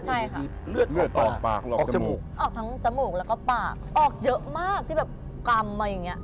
ใช่ค่ะเลือดออกจมูกออกทั้งจมูกแล้วก็ปากออกเยอะมากที่แบบกลำอะไรอย่างเงี้ย